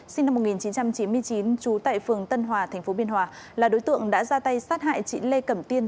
sinh năm một nghìn chín trăm chín mươi chín trú tại phường tân hòa tp biên hòa là đối tượng đã ra tay sát hại chị lê cẩm tiên